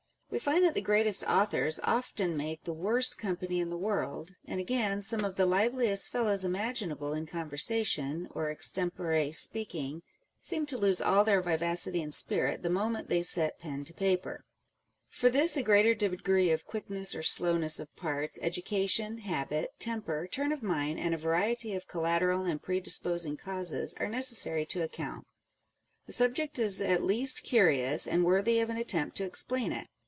We find that the greatest authors often make the worst company in the world ; and again, some of the liveliest fellows imaginable in con versation or extempore speaking, seem to lose all their vivacity and spirit the moment they set pen to paper. For this a greater degree of quickness or slowness of parts, education, habit, temper, turn of mind, and a variety of collateral and predisposing causes are necessary to account. The subject is at least curious, and worthy of an attempt to explain it.